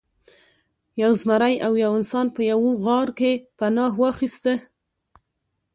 یو زمری او یو انسان په یوه غار کې پناه واخیسته.